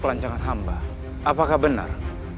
pelancangan hamba apakah benar